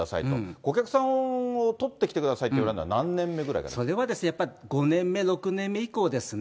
お客さんを取ってきてくださいと言われるのは何年目ぐらいからなそれはですね、やっぱり５年目、６年目以降ですね。